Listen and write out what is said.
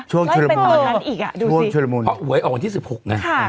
ช่วงชุดลมุนดูสิช่วงชุดลมุนอ่ะหวยออกกันที่สิบหกไงค่ะ